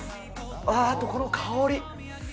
あー、あとこの香り。